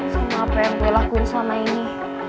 sama apa yang gue lakuin selama ini